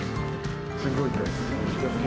すごく痛いです。